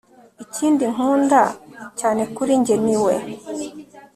ikintu nkunda cyane kuri njye ni we